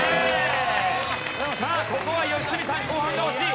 さあここは良純さん後半が欲しい。